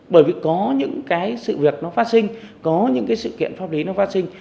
bởi vì có những sự việc nó phát sinh có những sự kiện pháp lý nó phát sinh